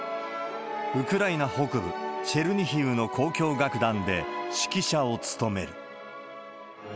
ウクライナ北部チェルニヒウの交響楽団で、指揮者を務める。